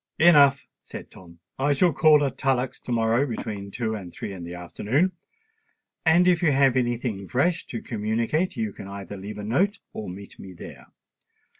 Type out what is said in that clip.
"Enough," said Tom. "I shall call at Tullock's to morrow between two and three in the afternoon; and if you have any thing fresh to communicate, you can either leave a note or meet me there.